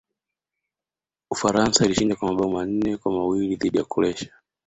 ufaransa ilishinda kwa mabao manne kwa mawili dhidi ya croatia